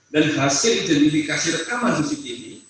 dan hasil identifikasi rekaman cctv